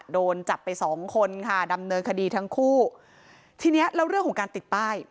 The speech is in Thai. โดนจับไปสองคนค่ะดำเนินคดีทั้งคู่ทีเนี้ยแล้วเรื่องของการติดป้าย